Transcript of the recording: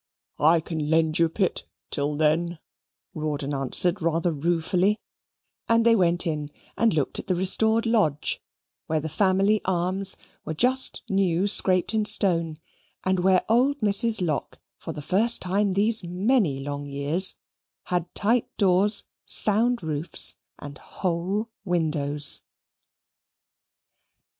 "I can lend you, Pitt, till then," Rawdon answered rather ruefully; and they went in and looked at the restored lodge, where the family arms were just new scraped in stone, and where old Mrs. Lock, for the first time these many long years, had tight doors, sound roofs, and whole windows.